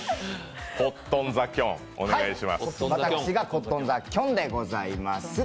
私がコットン・ザ・きょんでございます。